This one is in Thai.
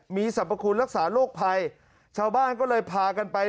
มีสรรพคุณรักษาโรคภัยชาวบ้านก็เลยพากันไป